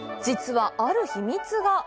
実は、ある秘密が。